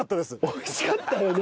おいしかったよね。